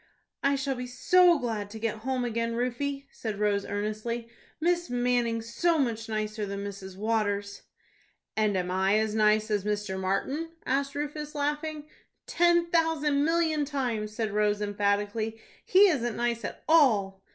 "I shall be so glad to get home again, Rufie," said Rose, earnestly; "Miss Manning's so much nicer than Mrs. Waters." "And am I as nice as Mr. Martin?" asked Rufus, laughing. "Ten thousand million times," said Rose, emphatically. "He isn't nice at all."